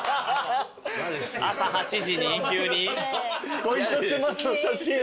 朝８時に急に？